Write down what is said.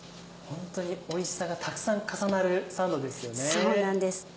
ホントにおいしさがたくさん重なるサンドですよね。